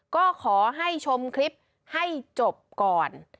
ก็ขอให้ชมคลิปให้จบก่อน